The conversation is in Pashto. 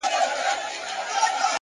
د نورو درناوی باور پیاوړی کوي